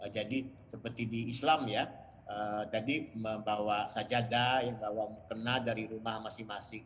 jadi seperti di islam membawa sajadah yang terkenal dari rumah masing masing